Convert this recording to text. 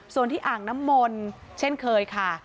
ส่วนที่อ่างน้ำมนต์เช่นเคยค่ะ